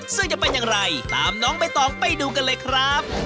ซึ่งจะเป็นอย่างไรตามน้องใบตองไปดูกันเลยครับ